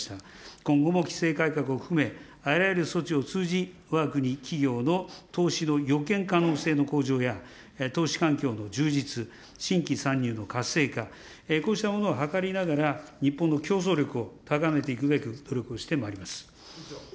今後も規制改革を含め、あらゆる措置を通じ、わが国企業の投資の予見可能性の向上や、投資環境の充実、新規参入の活性化、こうしたものを図りながら、日本の競争力を高めていくべく、努力をしてまいります。